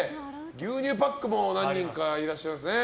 牛乳パックも何人かいらっしゃいますね。